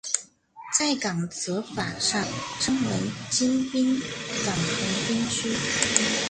在港则法上称为京滨港横滨区。